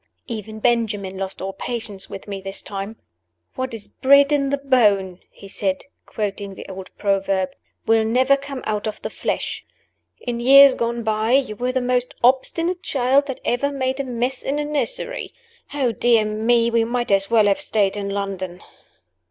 Even Benjamin lost all patience with me this time. "What is bred in the bone," he said, quoting the old proverb, "will never come out of the flesh. In years gone by, you were the most obstinate child that ever made a mess in a nursery. Oh, dear me, we might as well have stayed in London."